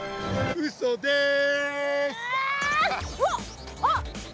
うっそです！